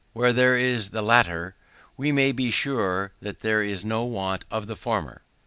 Where there is the latter, we may be sure that there is no want of the former.